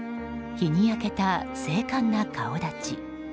日に焼けた精かんな顔立ち。